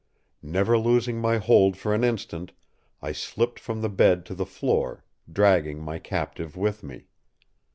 Never losing my hold for an instant, I slipped from the bed to the floor, dragging my captive with me.